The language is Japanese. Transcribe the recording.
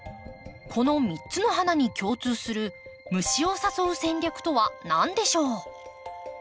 この３つの花に共通する虫を誘う戦略とは何でしょう？